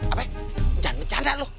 apa jangan bercanda lu